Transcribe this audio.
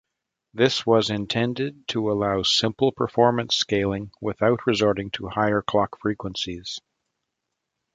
This was intended to allow simple performance scaling without resorting to higher clock frequencies.